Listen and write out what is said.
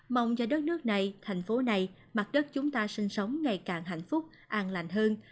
mong cho đất nước này thành phố này mặt đất chúng ta sinh sống ngày càng hạnh phúc an lành hơn